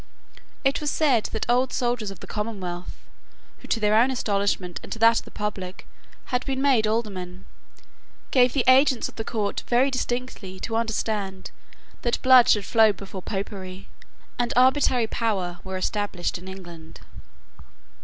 It was said that old soldiers of the Commonwealth, who, to their own astonishment and that of the public, had been made aldermen, gave the agents of the court very distinctly to understand that blood should flow before Popery and arbitrary power were established in England.